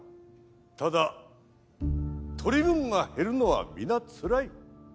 ただ取り分が減るのは皆つらい。